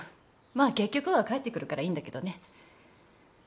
まあ結局は帰ってくるからいいんだけどね。